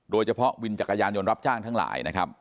โดยเฉพาะวินจักรยานยนต์รับจ้างทั้งหลายนะครับ